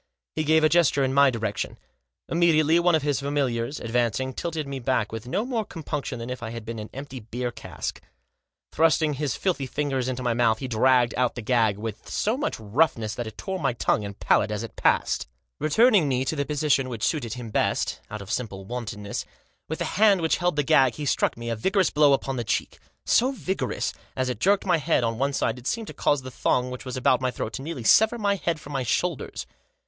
He gave a gesture in my direction. Immediately one of his familiars, ad vancing, tilted me back with no more compunction than if I had been an empty beer cask. Thrusting his filthy fingers into my mouth he dragged out the gag with so much roughness that it tore my tongue Digitized by Google 218 THE JOSS. and palate as it passed. Returning me to the posi tion which suited him best, out of simple wantonness, with the hand which held the gag he struck me a vigorous blow upon the cheek ; so vigorous that, as it jerked my head on one side it seemed to cause the thong which was about my throat to nearly sever my head from my shoulders.